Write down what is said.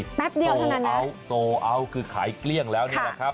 แป๊บเดียวเท่านั้นเอาโซเอาคือขายเกลี้ยงแล้วนี่แหละครับ